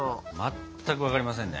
全く分かりませんね。